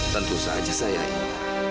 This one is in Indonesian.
tentu saja saya ingat